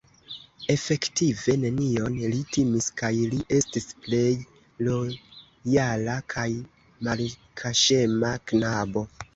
Efektive nenion li timis kaj li estis plej lojala kaj malkaŝema knabo.